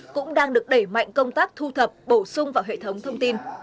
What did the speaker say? cũng đang được đẩy mạnh công tác thu thập bổ sung vào hệ thống thông tin